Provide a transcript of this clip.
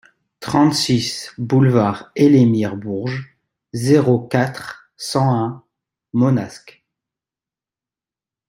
trente-six boulevard Elémir Bourges, zéro quatre, cent à Manosque